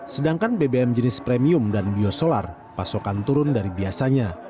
sedangkan bbm jenis premium dan biosolar pasokan turun dari biasanya